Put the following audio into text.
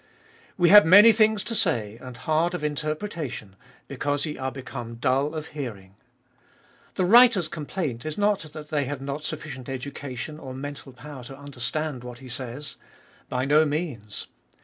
We have many things to say, and hard of interpretation, because ye are become dull of hearing. The writer's complaint is not that they have not sufficient education or mental power to understand what he says. By no means.